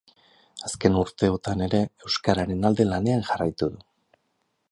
Azken urteotan ere euskararen alde lanean jarraitu du.